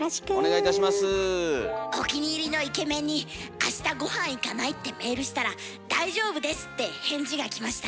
お気に入りのイケメンに「明日御飯行かない？」ってメールしたら「大丈夫です」って返事が来ました。